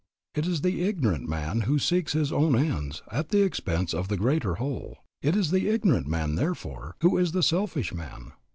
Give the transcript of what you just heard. It is the ignorant man who seeks his own ends at the expense of the greater whole. It is the ignorant man, therefore, who is the selfish man.